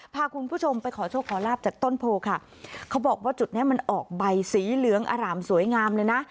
พาคุณผู้ชมไปขอโชคขอลาบจากต้นโพค่ะเขาบอกว่าจุดเนี้ยมันออกใบสีเหลืองอร่ามสวยงามเลยนะ